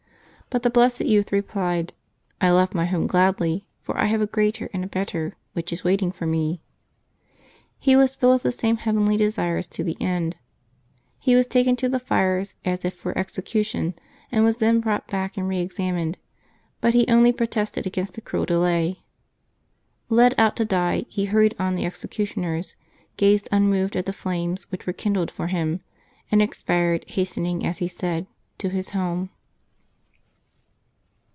But the blessed youth replied, "I left my home gladly, for I have a greater and a better which is waiting for me.'' He was filled with the same heavenly desires to the end. He was taken to the fires as if for exe cution, and was then brought back and re examined, but he only protested against the cruel delay. Led out to die, he hurried on the executioners, gazed unmoved at the flames which were kindled for him, and expired, hastening, as he said, to his home.